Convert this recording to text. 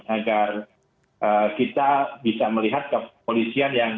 agar kita bisa melihat kepolisian yang